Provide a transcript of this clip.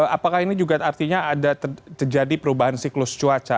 apakah ini juga artinya ada terjadi perubahan siklus cuaca